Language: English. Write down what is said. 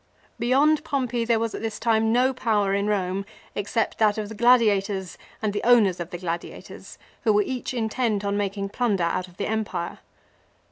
Beyond Pompey there was at this time no power in Romp, except that of the MILO. 77 gladiators and the owners of the gladiators who were each intent on making plunder out of the empire.